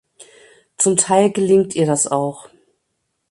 Zum Teil gelingt ihr das auch.